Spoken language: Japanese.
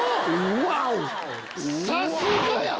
さすがや！